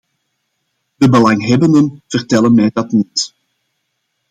De belanghebbenden vertellen mij dat niet.